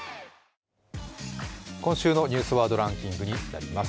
今週の「ニュースワードランキング」になります。